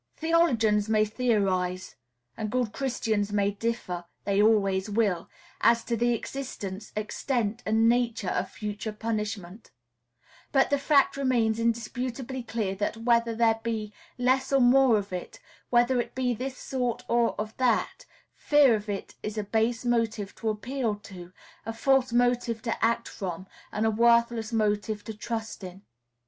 Theologians may theorize, and good Christians may differ (they always will) as to the existence, extent, and nature of future punishment; but the fact remains indisputably clear that, whether there be less or more of it, whether it be of this sort or of that, fear of it is a base motive to appeal to, a false motive to act from, and a worthless motive to trust in.